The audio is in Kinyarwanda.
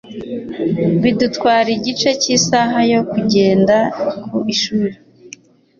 Bidutwara igice cy'isaha yo kugenda ku ishuri.